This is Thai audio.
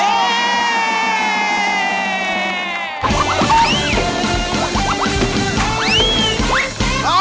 โอเบอเตอร์คอเพรา